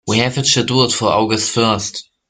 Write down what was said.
We have it scheduled for August first.